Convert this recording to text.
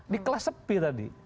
di kelas sepi tadi